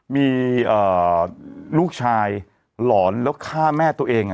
มีลูกชายหลอนแล้วฆ่าแม่ตัวเอง